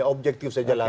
objektif saja lah